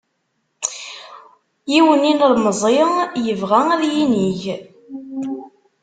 Yiwen n yilemẓi yebɣa ad yinig.